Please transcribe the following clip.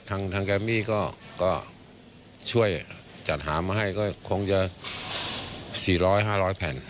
ทางแกมมี่ก็ช่วยจัดหามาให้ก็คงจะสี่ร้อยห้าร้อยแผ่น